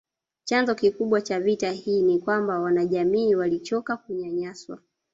Chanzo kikubwa cha vita hii ni kwamba wanajamii walichoka kunyanyaswa